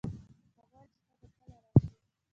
هغه وویل چي ته به کله راځي؟